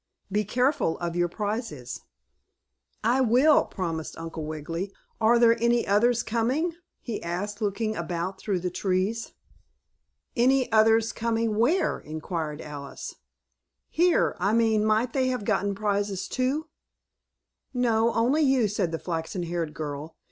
Be careful of your prizes." "I will," promised Uncle Wiggily. "Are there any others coming?" he asked, looking about through the trees. "Any others coming where?" inquired Alice. "Here. I mean, might they have gotten prizes, too?" "No, only you," said the flaxen haired girl.